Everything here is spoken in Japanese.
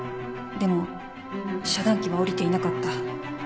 でも遮断機は下りていなかった。